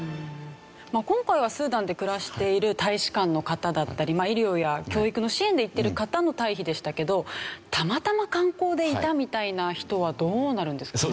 今回はスーダンで暮らしている大使館の方だったり医療や教育の支援で行ってる方の退避でしたけどたまたま観光でいたみたいな人はどうなるんですかね？